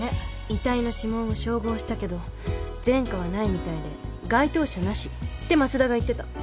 遺体の指紋を照合したけど前科はないみたいで該当者なしって松田が言ってた。